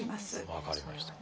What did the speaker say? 分かりました。